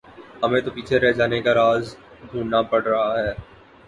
ہمیں تو پیچھے رہ جانے کا راز ڈھونڈنا پڑ رہا ہے۔